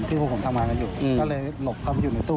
พวกผมทำงานกันอยู่ก็เลยหลบเข้าไปอยู่ในตู้